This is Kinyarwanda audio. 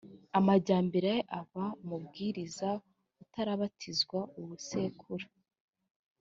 amajyambere aba umubwiriza utarabatizwa ubu sekuru